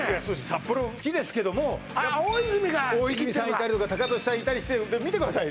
札幌好きですけどもあっ大泉が大泉さんいたりとかタカトシさんいたりして見てください